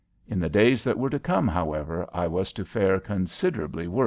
In the days that were to come, however, I was to fare considerably worse.